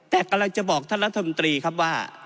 แต่กำลังจะบอกท่านรัฐมนตรีครับว่า